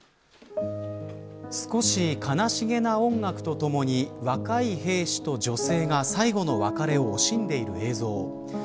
少し悲しげな音楽とともに若い兵士と女性が最後の別れを惜しんでいる映像。